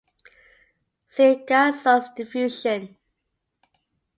See gaseous diffusion.